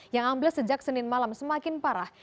yang ambles sejak senin malam semakin parah